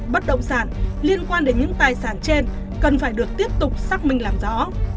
bất động sản liên quan đến những tài sản trên cần phải được tiếp tục xác minh làm rõ